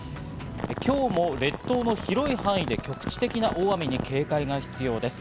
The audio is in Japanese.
今日も列島の広い範囲で局地的な大雨に警戒が必要です。